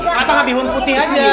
kata ngabihun putih aja